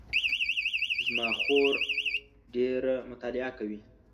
زما خور ډېره مطالعه کوي